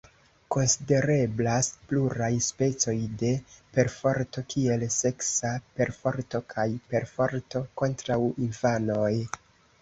Konsidereblas pluraj specoj de perforto kiel seksa perforto kaj perforto kontraŭ infanoj.